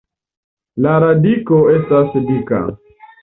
La radiko estas dika.